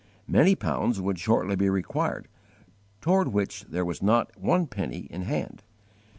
Many pounds would shortly be required, toward which there was not one penny in hand.